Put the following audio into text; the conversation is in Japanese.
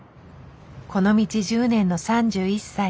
この道１０年の３１歳。